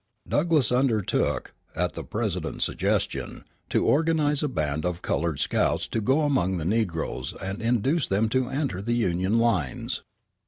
Douglass undertook, at the President's suggestion, to organize a band of colored scouts to go among the negroes and induce them to enter the Union lines.